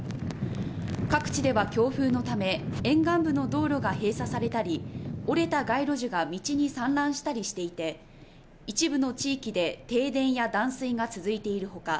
各地では強風のため沿岸部の道路が閉鎖されたり折れた街路樹が道に散乱したりしていて一部の地域で停電や断水が続いているほか